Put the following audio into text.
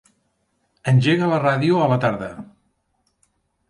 Engega la ràdio a la tarda.